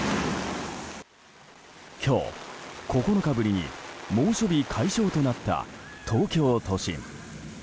今日、９日ぶりに猛暑日解消となった東京都心。